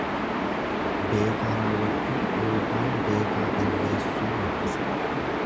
Beekaa raawwachuu ykn beekaa balleessuu mul'isa.